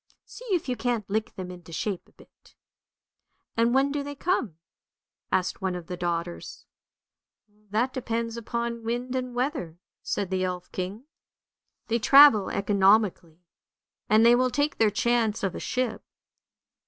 See if you can't lick them into shape a bit." " And when do they come? " asked one of the daughters. THE ELF HILL 55 " That depends upon wind and weather," said the elf king. " They travel economically, and they will take their chance of a ship.